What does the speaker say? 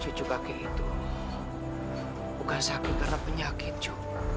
cucu kakek itu bukan sakit karena penyakit juga